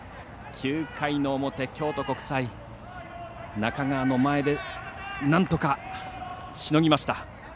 ９回の表、京都国際中川の前でなんとかしのぎました。